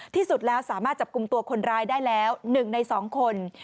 ที่สุดแล้วสามารถจับกลุ่มตัวคนร้ายได้แล้ว๑ใน๒คน